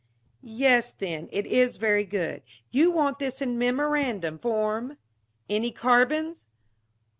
"Yes, then, it is very good. You want this in memorandum form. Any carbons?"